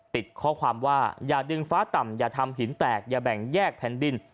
ติดข้อความว่าอย่าดึงฟ้าต่ำอย่าทำหินแตกอย่าแบ่งแยกแผ่นดิน